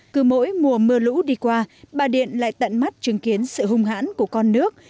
cứ mỗi mùa mưa lũ đi qua bà điện lại tận mắt chứng kiến sự hung hãn của con nước